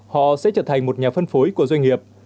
họ sẽ trở thành một nhà phân phối của doanh nghiệp